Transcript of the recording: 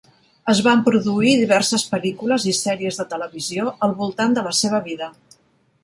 Es van produir diverses pel·lícules i sèries de televisió al voltant de la seva vida.